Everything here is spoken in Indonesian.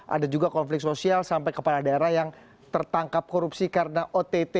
ada juga konflik sosial sampai kepala daerah yang tertangkap korupsi karena ott